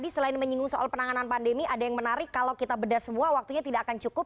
selain menyinggung soal penanganan pandemi ada yang menarik kalau kita bedah semua waktunya tidak akan cukup